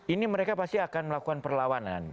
ini mereka pasti akan melakukan perlawanan